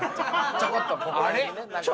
ちょこっとここら辺にね。